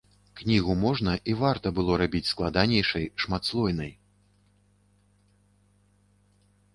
Кнігу можна і варта было рабіць складанейшай, шматслойнай.